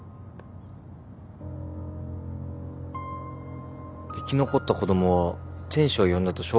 生き残った子供は天使を呼んだと証言してるんですか？